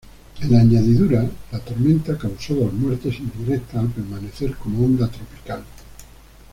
En añadidura, la tormenta causó dos muertes indirectas al permanecer como onda tropical.